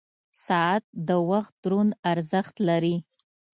• ساعت د وخت دروند ارزښت لري.